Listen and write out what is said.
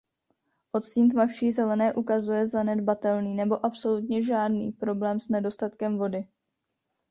Odstín tmavší zelené ukazuje zanedbatelný nebo absolutně žádný problém s nedostatkem vody.